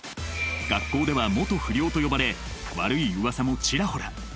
学校では「元不良」と呼ばれ悪いうわさもちらほら。